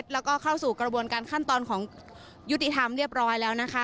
แล้วก็เข้าสู่กระบวนการขั้นตอนของยุติธรรมเรียบร้อยแล้วนะคะ